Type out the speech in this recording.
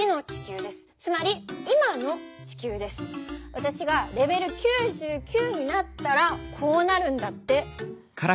わたしがレベル９９になったらこうなるんだって。